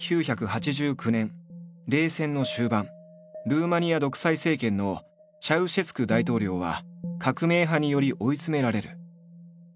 ルーマニア独裁政権のチャウシェスク大統領は革命派により追い詰められる。